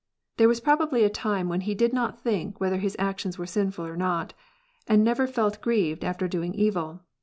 There was probably a time when he did not think whether his actions were sinful or not, and never felt grieved after doing evil.